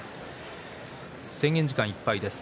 制限時間いっぱいです。